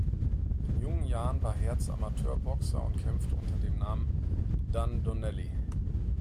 In jungen Jahren war Hertz Amateurboxer und kämpfte unter dem Namen „Dan Donnelly“.